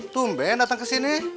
tumben datang ke sini